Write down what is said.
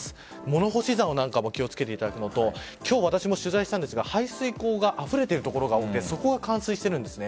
物干しざおも気をつけていただきたいのと今日、私も取材したんですが排水溝があふれている所があるのでそこが冠水しているんです。